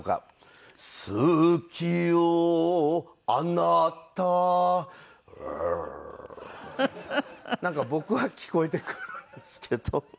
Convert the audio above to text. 「好きよあなた」なんか僕は聞こえてくるんですけど。